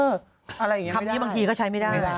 คลับอย่างนี้บางทีก็ใช้ไม่ได้